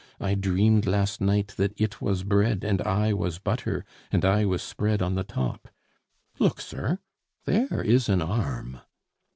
I dreamed last night that it was bread and I was butter, and I was spread on the top.' Look, sir, there is an arm!"